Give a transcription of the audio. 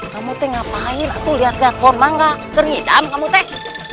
kamu tinggal main tuh lihat japon mangga sering idam kamu teh